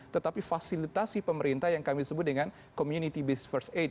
tetapi fasilitasi pemerintah yang kami sebut dengan community based first aid